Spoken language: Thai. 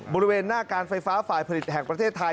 บริเวณหน้าการไฟฟ้าฝ่ายผลิตแห่งประเทศไทย